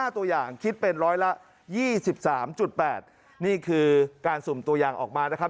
ตัวอย่างคิดเป็นร้อยละ๒๓๘นี่คือการสุ่มตัวอย่างออกมานะครับ